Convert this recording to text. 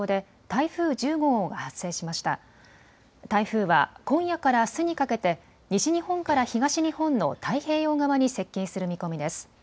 台風は今夜からあすにかけて西日本から東日本の太平洋側に接近する見込みです。